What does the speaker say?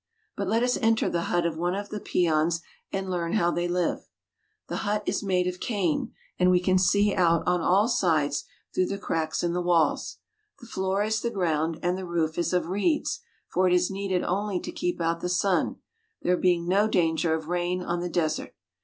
But let us enter the hut of one of the peons and learn how they live. The hut is made of cane, and we can see out on all sides through the cracks in the walls. The floor is the ground, and the roof is of reeds, for it is needed only to keep out the sun, there being no danger of rain on the desert.